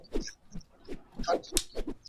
دا کیله په استوايي سیمو کې په ډېره چټکۍ سره وده کوي.